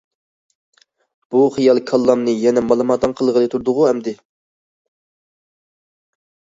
بۇ خىيال كاللامنى يەنە مالىماتاڭ قىلغىلى تۇردىغۇ ئەمدى؟!...